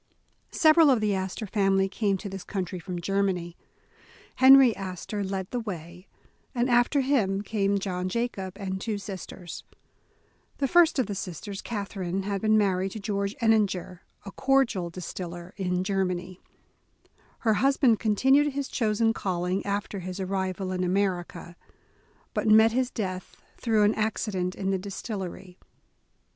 SEVERAL of the Astor family came to this coun try from Germany. Henry Astor led the way, and after him came John Jacob, and two sis ters. The first of the sisters, Catherine, had been mar ried to George Ehninger, a cordial distiller in Germany. Her husband continued his chosen calling after his ar rival in America, but met his death through an accident in the distillery.